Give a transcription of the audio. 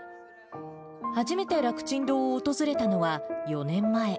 初めて楽ちん堂を訪れたのは、４年前。